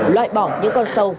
loại bỏ những con sâu